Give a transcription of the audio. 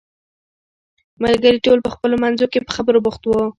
ملګري ټول په خپلو منځو کې په خبرو بوخت وو.